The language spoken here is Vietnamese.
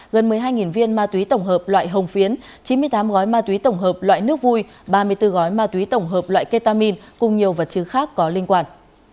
gần một mươi hai viên ma túy tổng hợp loại hồng phiến chín mươi tám gói ma túy tổng hợp loại nước vui ba mươi bốn gói ma túy tổng hợp loại ketamin cùng nhiều vật chứng khác có liên quan